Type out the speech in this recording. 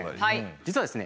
実はですね